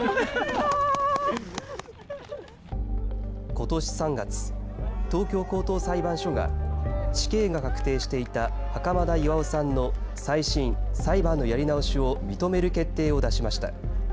ことし３月、東京高等裁判所が死刑が確定していた袴田巌さんの再審・裁判のやり直しを認める決定を出しました。